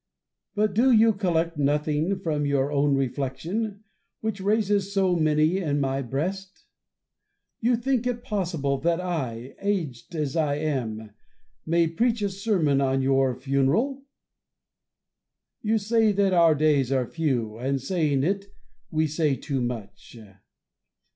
But do you collect nothing from your own reflection, which raises so many in my breast 1 You think it possible that I, aged as I am, may preach a sermon on your funeral. We say that our days are few ; and saying it, we say too much.